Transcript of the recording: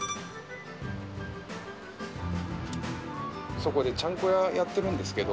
そこでちゃんこ屋やってるんですけど。